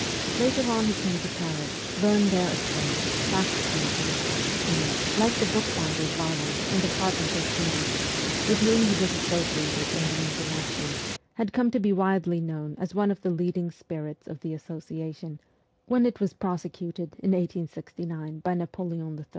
Later on he came to Paris, learned there a trade basket making and, like the book binder Varlin and the carpenter Pindy, with whom he was associated in the International, had come to be widely known as one of the leading spirits of the Association when it was prosecuted in 1869 by Napoleon III.